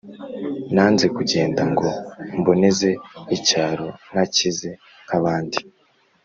nanze kugenda ngo mboneze icyaro ntakize nk'abandi